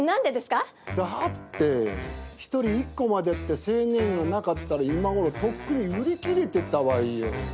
だって一人１個までって制限がなかったら今ごろとっくに売り切れてたわよ。